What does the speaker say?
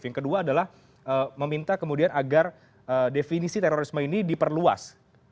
yang kedua adalah meminta kemudian agar definisi terorisme ini diperluas